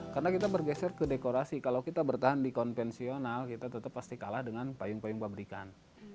karena kita bergeser ke dekorasi kalau kita bertahan di konvensional kita tetap pasti kalah dengan payung payung pabrikan